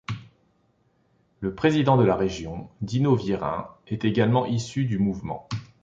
Le président de la région, Dino Viérin, est également issu du mouvement.